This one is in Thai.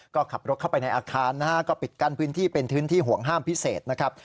ก็ขับรถเข้าไปในอาคารนะฮะก็ปิดกั้นพื้นที่เป็นพื้นที่ห่วงห้ามพิเศษนะครับ